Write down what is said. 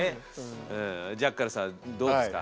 ジャッカルさんどうですか？